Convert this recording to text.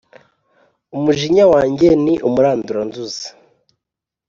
Umujinya wanjye ni umuranduranzuzi